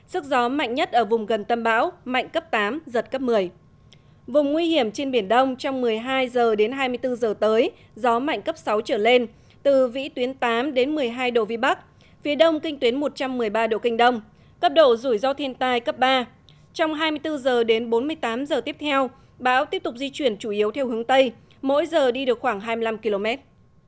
sức gió mạnh nhất ở vùng gần tâm áp thấp nhiệt đới ở vào khoảng chín bảy độ vĩ bắc một trăm một mươi tám chín độ kinh đông trên khu vực miền trung palawan philippines